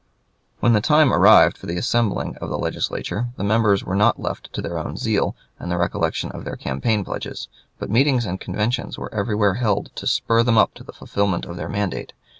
When the time arrived for the assembling of the Legislature, the members were not left to their own zeal and the recollection of their campaign pledges, but meetings and conventions were everywhere held to spur them up to the fulfillment of their mandate.